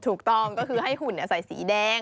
ถูกต้องก็คือให้หุ่นใส่สีแดง